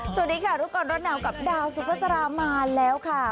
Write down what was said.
สวัสดีค่ะรู้ก่อนร้อนหนาวกับดาวสุภาษามาแล้วค่ะ